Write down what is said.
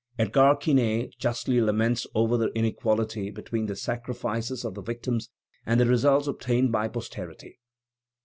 Edgar Quinet justly laments over the inequality between the sacrifices of the victims and the results obtained by posterity.